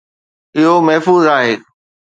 اهو محفوظ آهي